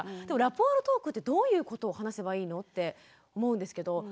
でもラポールトークってどういうことを話せばいいの？って思うんですけど。